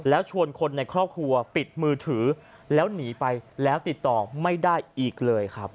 แล้วชวนคนในครอบครัวปิดมือถือแล้วหนีไปแล้วติดต่อไม่ได้อีกเลยครับ